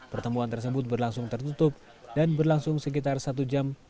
pertemuan tersebut berlangsung tertutup dan berlangsung sekitar satu jam